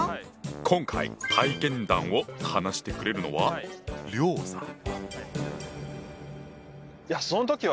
今回体験談を話してくれるのは梁さん。